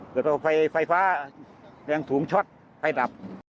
เกิดประกายไฟฟ้าแรงถูงช็อตให้ดับ